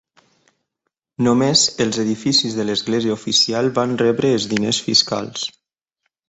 Només els edificis de l"església oficial van rebre el diners fiscals.